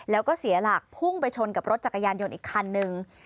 แล้วก็เสียหลักพุ่งไปชนกับรถจักรยานยนต์อีกคันนึง